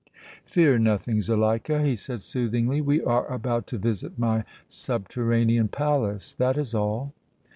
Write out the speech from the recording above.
"Fear nothing, Zuleika," he said, soothingly. "We are about to visit my subterranean palace. That is all."